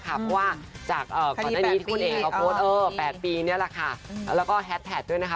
เพราะว่าจากก่อนหน้านี้ที่คุณเอกเขาโพสต์๘ปีนี่แหละค่ะแล้วก็แฮสแท็กด้วยนะคะ